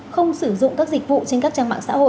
không sử dụng các dịch vụ trên các trang mạng xã hội